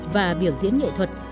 và biểu diễn nghệ thuật